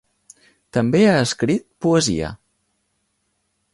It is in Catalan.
També ha escrit poesia.